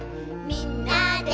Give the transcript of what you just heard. みんなで」